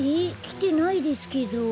きてないですけど。